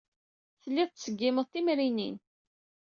Telliḍ tettṣeggimeḍ timrinin.